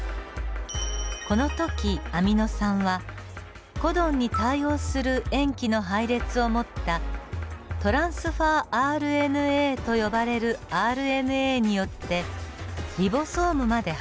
この時アミノ酸はコドンに対応する塩基の配列を持ったｔＲＮＡと呼ばれるＲＮＡによってリボソームまで運ばれています。